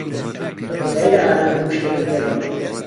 لە کۆتاییدا، ئالان هەموو شتێکم پێدەڵێت.